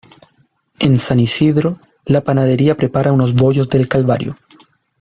En San Isidro, la panadería prepara unos Bollos del Calvario.